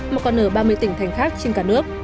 mà còn ở ba mươi tỉnh thành khác trên cả nước